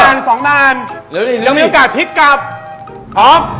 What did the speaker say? ยังยิงยาวปะกะเป่ายิงช็อป